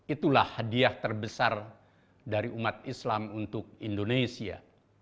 itulah hadiah terbesar dari umat islam untuk indonesia